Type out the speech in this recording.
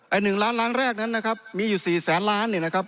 ๑ล้านล้านแรกนั้นนะครับมีอยู่สี่แสนล้านเนี่ยนะครับ